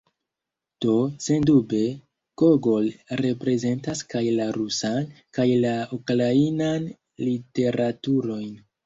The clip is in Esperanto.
Do, sendube, Gogol reprezentas kaj la rusan, kaj la ukrainan literaturojn.